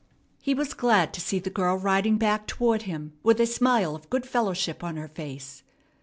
He was glad to see the girl riding back toward him with a smile of good fellowship on her face.